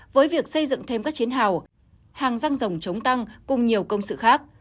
với việc xây dựng thêm các chiến hào hàng răng dòng chống tăng cùng nhiều công sự khác